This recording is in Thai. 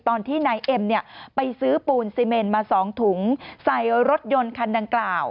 ตอนที่นายเอ็มไปซื้อปูนซีเมนมา๒ถุงใส่รถยนต์คันดังกล่าว